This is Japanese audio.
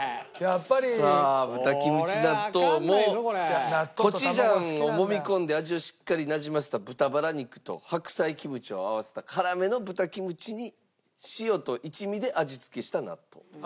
さあ豚キムチ納豆もコチュジャンをもみ込んで味をしっかりなじませた豚バラ肉と白菜キムチを合わせた辛めの豚キムチに塩と一味で味付けした納豆という。